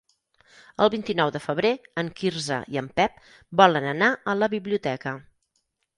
El vint-i-nou de febrer en Quirze i en Pep volen anar a la biblioteca.